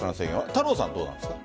太郎さん、どうですか？